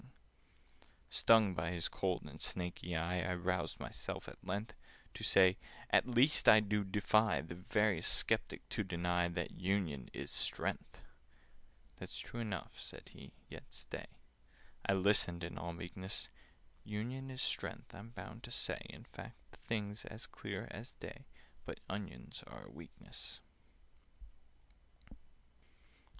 [Picture: The phantom sitting on chair] Stung by his cold and snaky eye, I roused myself at length To say "At least I do defy The veriest sceptic to deny That union is strength!" "That's true enough," said he, "yet stay—" I listened in all meekness— "Union is strength, I'm bound to say; In fact, the thing's as clear as day; But onions are a weakness."